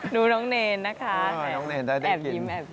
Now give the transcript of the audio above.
ดูน้องเนย์นะคะแอบยิ้ม